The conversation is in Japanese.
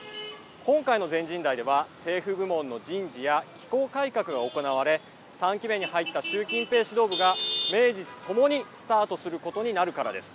今回の全人代では政府部門の人事や機構改革が行われ３期目に入った習近平指導部が名実共にスタートすることになるからです。